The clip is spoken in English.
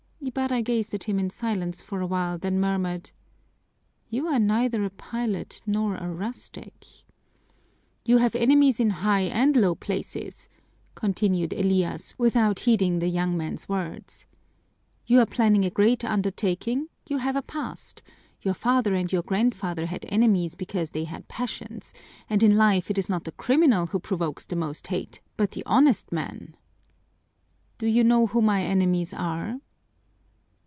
Ibarra gazed at him in silence for a while, then murmured, "You are neither a pilot nor a rustic!" "You have enemies in high and low places," continued Elias, without heeding the young man's words. "You are planning a great undertaking, you have a past. Your father and your grandfather had enemies because they had passions, and in life it is not the criminal who provokes the most hate but the honest man." "Do you know who my enemies are?"